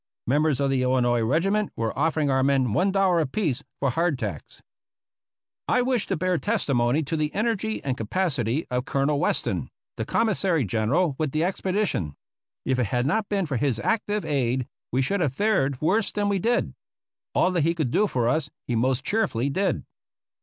Members of the Illinois Regiment were offering our men ^i apiece for hardtacks. I wish to bear testimony to the energy and capacity of Colonel Weston, the Commissary General with the expedi tion. If it had not been for his active aid, we should have fared worse than we did. All that he could do for us, he most cheerfully did.